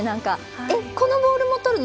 えっ、このボールもとるの？